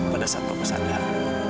pada saat bapak sadar